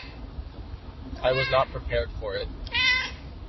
I was not prepared for it.